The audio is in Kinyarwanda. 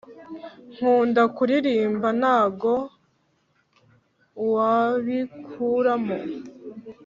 Nkunda kuririmba ntago wabinkuramo